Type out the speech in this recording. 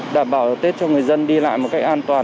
đảm bảo tết cho người dân đi lại một cách an toàn